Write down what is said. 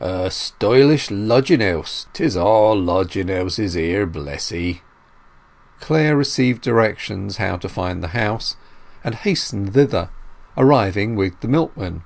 "A stylish lodging house. 'Tis all lodging houses here, bless 'ee." Clare received directions how to find the house, and hastened thither, arriving with the milkman.